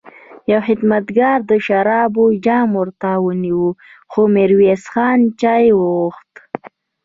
يوه خدمتګار د شرابو جام ورته ونيو، خو ميرويس خان چای وغوښت.